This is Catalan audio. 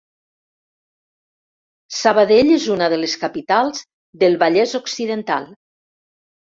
Sabadell és una de les capitals del Vallès Occidental.